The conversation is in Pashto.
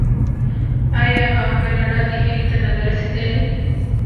آیا او کاناډا دې هیلې ته نه ده رسیدلې؟